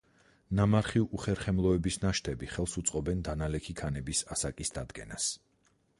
ნამარხი უხერხემლოების ნაშთები ხელს უწყობენ დანალექი ქანების ასაკის დადგენას.